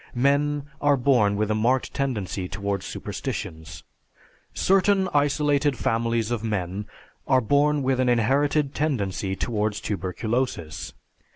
Men are born with a marked tendency towards superstitions. Certain isolated families of men are born with an inherited tendency towards tuberculosis.